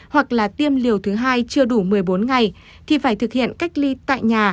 hoặc là tiêm liều thứ hai chưa đủ một mươi bốn ngày thì phải thực hiện cách ly tại nhà